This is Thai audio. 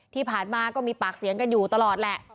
ที่ผ่านมาก็มีปากเสียงกันอยู่ตลอดแหละ